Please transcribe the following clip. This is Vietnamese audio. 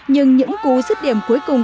nhưng những cú dứt điểm cuối cùng